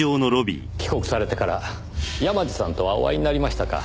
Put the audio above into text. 帰国されてから山路さんとはお会いになりましたか？